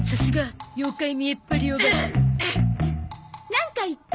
なんか言った？